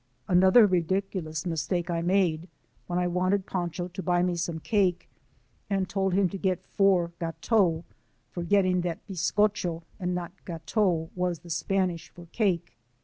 Another ridiculous mistake I made when I wanted Pancho to buy me some cake, and told him to get lowr gateaux, forgetting that biz caclio and not gateau was the Spanish for cake.